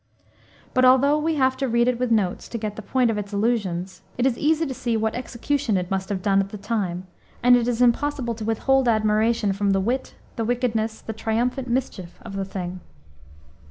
But, although we have to read it with notes, to get the point of its allusions, it is easy to see what execution it must have done at the time, and it is impossible to withhold admiration from the wit, the wickedness, the triumphant mischief of the thing.